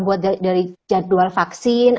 buat dari jadwal vaksin